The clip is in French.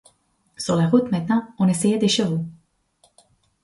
Sur la route, maintenant, on essayait des chevaux.